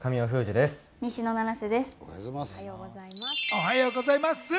おはようございます。